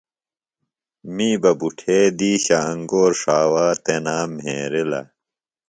می بہ بُٹھے دِیشہ انگور ݜاوا تنام مھیرلہ